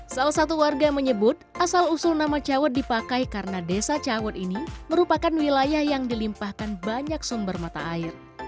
salah satu warga menyebut asal usul nama cawet dipakai karena desa cawet ini merupakan wilayah yang dilimpahkan banyak sumber mata air